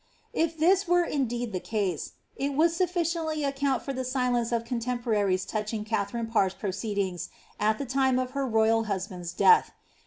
If this were indeed the case, it would sufficiently account for the silence of contemporaries touching Katharine Parr's proceedings at the time of her royal husband's death.